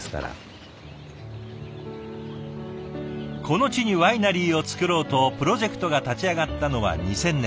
この地にワイナリーを作ろうとプロジェクトが立ち上がったのは２０００年。